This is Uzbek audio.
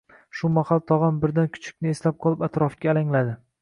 Shu mahal tog‘am birdan kuchukni eslab qolib, atrofga alangladi: